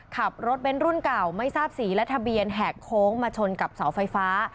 ขับรถเบ้นรุ่นเก่าไม่ทราบสีและทะเบียนแหกโค้งมาชนกับเสาไฟฟ้า